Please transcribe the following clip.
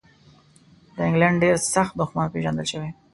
د انګلینډ ډېر سخت دښمن پېژندل شوی دی.